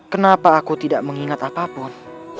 kenapa aku tidak mengingat apapun